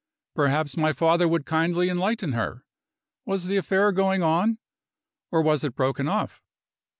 Perhaps my father would kindly enlighten her? Was the affair going on? or was it broken off?